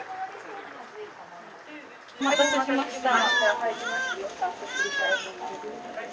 お待たせしました。